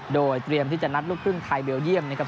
โดยเตรียมที่จะนัดลูกครึ่งไทยเบลเยี่ยมนะครับ